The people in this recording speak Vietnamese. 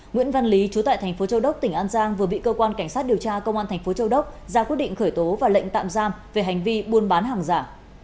nguyễn văn lý chú tại thành phố châu đốc tỉnh an giang vừa bị cơ quan cảnh sát điều tra công an thành phố châu đốc ra quyết định khởi tố và lệnh tạm giam về hành vi buôn bán hàng giả